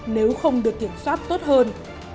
nếu không được kiểm soát tốt hơn